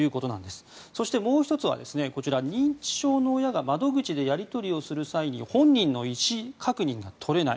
そして、もう１つは認知症の親が窓口でやり取りをする際に本人の意思確認が取れない。